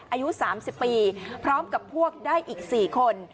อายุสามสิบปีพร้อมกับพวกได้อีกสี่คน